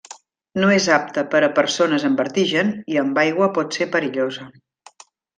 No és apta per a persones amb vertigen i amb aigua pot ser perillosa.